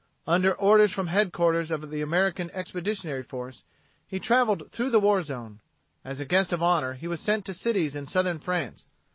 Under orders from headquarters of the American Expeditionary Force he traveled through the war zone. As a guest of honor he was sent to cities in southern France.